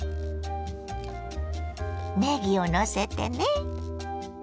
ねぎをのせてね。